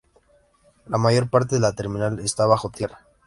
La mayor parte de la terminal está bajo tierra.